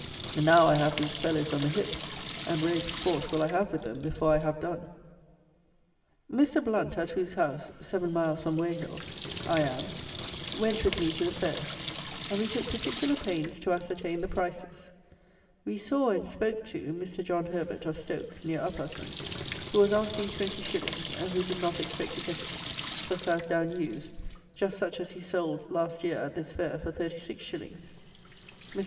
Now, I have these fellows on the hip; and brave sport will I have with them before I have done. Mr. Blount, at whose house (7 miles from Weyhill) I am, went with me to the fair; and we took particular pains to ascertain the prices. We saw, and spoke to, Mr. John Herbert, of Stoke (near Uphusband) who was asking 20_s._, and who did not expect to get it, for South down ewes, just such as he sold, last year (at this fair), for 36_s._ Mr.